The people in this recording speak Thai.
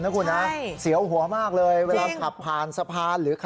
นะคุณคะเสียวหัวมากเลยเวลาขับผ่านสะพานอีกเหรอครับ